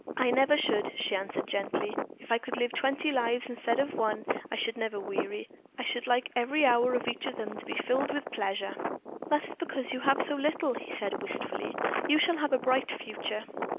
"I never should," she answered, gently. "If I could live twenty lives, instead of one, I should never weary. I should like every hour of each of them to be filled with pleasure." "That is because you have had so little," he said, wistfully. "You shall have a bright future."